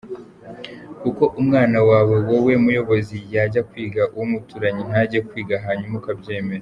Kuki umwana wawe wowe muyobozi yajya kwiga, uw’umuturanyi ntajye kwiga hanyuma ukabyemera?.